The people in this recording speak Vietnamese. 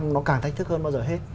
nó càng thách thức hơn bao giờ hết